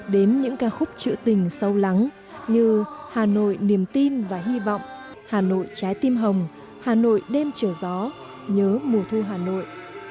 đến những ca khúc trữ tình sâu lắng như hà nội niềm tin và hy vọng hà nội trái tim hồng hà nội đêm trời gió nhớ mùa thu hà nội